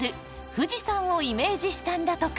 富士山をイメージしたんだとか。